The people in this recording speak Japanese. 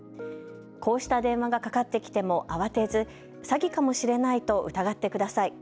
こうした電話がかかってきても慌てず、詐欺かもしれないと疑ってください。